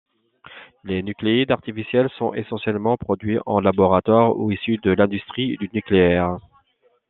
Les nucléides artificiels sont essentiellement produits en laboratoire ou issus de l'industrie du nucléaire.